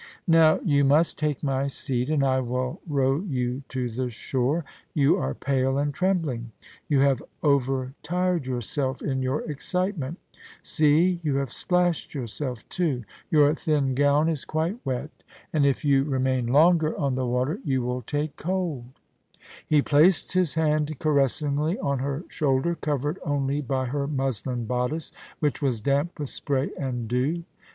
Now, you must take my seat, and I will row you to the shore. You are pale and trembling. You have over tired yourself in your excitement See, you have splashed yourself, too; your thin gown is quite wet, and if you remain longer on the water you will take cold' k ON THE LAGOON. 127 He placed his hand caressingly on her shoulder, covered only by her muslin bodice, which was damp with spray and dew.